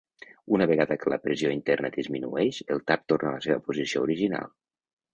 Una vegada que la pressió interna disminueix el tap torna a la seva posició original.